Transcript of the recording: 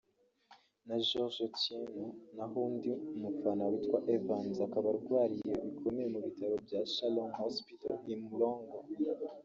na George Otieno naho undi mufana witwa Evans akaba arwariye bikomeye mu bitaro bya Shalom Hospital i Mlolongo